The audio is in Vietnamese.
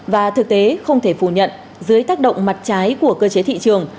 và thực tế không thể phủ nhận dưới tác động mặt trái của cơ chế thị trường